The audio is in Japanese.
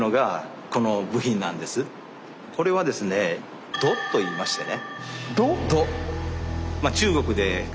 これはですね「弩」といいましてね。